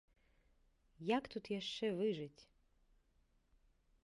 Як тут яшчэ выжыць?